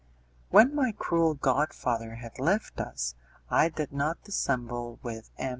When my cruel godfather had left us, I did not dissemble with M.